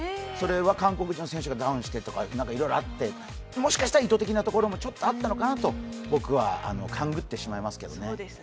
それは韓国人の選手がダウンしてとかいろいろあってもしかしたら意図的なところもちょっとあったのかなと僕は勘繰ってしまいますけどね。